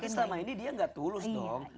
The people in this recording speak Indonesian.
berarti selama ini dia gak tulus dong